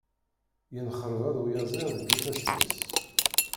Yenxerbaḍ uyaziḍ deg ifassen-is.